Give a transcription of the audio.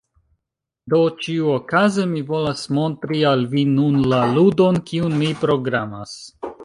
Do ĉiuokaze mi volas montri al vi nun la ludon, kiun mi programas.